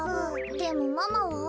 でもママは？